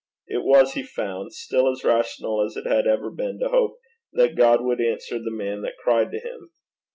It was, he found, still as rational as it had ever been to hope that God would answer the man that cried to him.